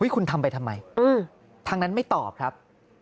คุณทำไปทำไมทางนั้นไม่ตอบครับ